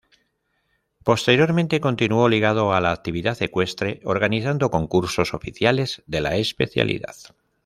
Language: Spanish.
Posteriormente, continuó ligado a la actividad ecuestre organizando concursos oficiales de la especialidad.